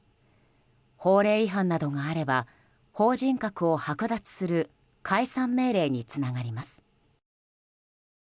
法令違反などがあれば法人格をはく奪する解散命令につながります。